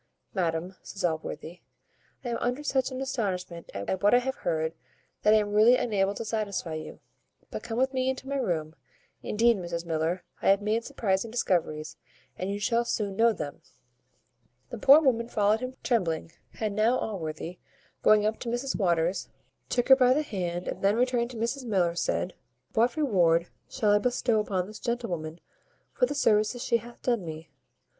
"Madam," says Allworthy, "I am under such an astonishment at what I have heard, that I am really unable to satisfy you; but come with me into my room. Indeed, Mrs Miller, I have made surprizing discoveries, and you shall soon know them." The poor woman followed him trembling; and now Allworthy, going up to Mrs Waters, took her by the hand, and then, turning to Mrs Miller, said, "What reward shall I bestow upon this gentlewoman, for the services she hath done me?